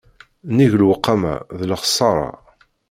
Nnig lewqama d lexṣaṛa.